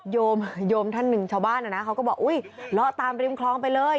โยมท่านหนึ่งชาวบ้านนะเขาก็บอกอุ้ยเลาะตามริมคลองไปเลย